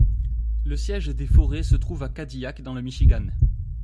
Le siège des forêts se trouve à Cadillac, dans le Michigan.